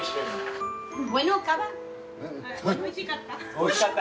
おいしかった？